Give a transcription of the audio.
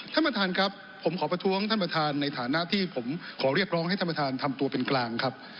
ท่านบทหารครับผมขอประทุงท่านบทหารในฐานะที่ผมขอเรียกร้อให้ท่านบทหารทำตัวเป็นกลางครับ